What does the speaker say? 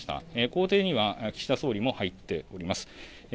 公邸には、岸田総理も入っております。